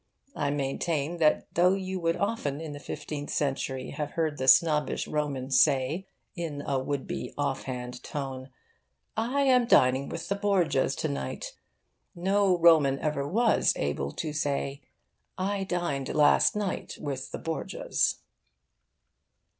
I maintain that though you would often in the fifteenth century have heard the snobbish Roman say, in a would be off hand tone 'I am dining with the Borgias to night,' no Roman ever was able to say 'I dined last night with the Borgias.